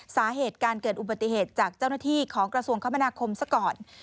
สาเหตุการเกิดอุบัติเหตุจากเจ้าหน้าที่ของกระทรวงคมนาคมซะก่อน